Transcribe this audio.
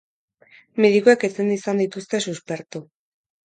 Medikuek ezin izan dituzte suspertu.